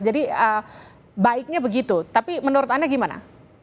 jadi baiknya begitu tapi menurut anda gimana